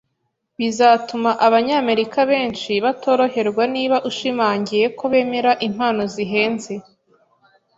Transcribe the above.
Bizatuma Abanyamerika benshi batoroherwa niba ushimangiye ko bemera impano zihenze.